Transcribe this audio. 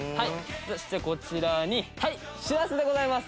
そしてこちらにしらすでございます。